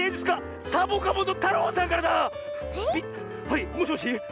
はいもしもし。